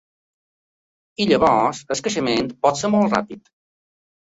I llavors el creixement pot ser molt ràpid.